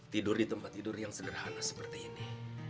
tidur di tempat tidur yang sederhana seperti ini